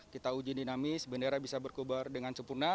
kita uji dinamis bendera bisa berkubar dengan sempurna